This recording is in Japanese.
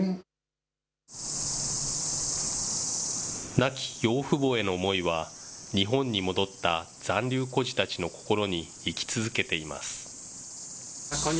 亡き養父母への思いは、日本に戻った残留孤児たちの心に生き続けています。